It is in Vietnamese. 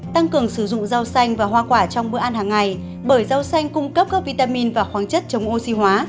tăng cường sử dụng rau xanh và hoa quả trong bữa ăn hàng ngày bởi rau xanh cung cấp các vitamin và khoáng chất chống oxy hóa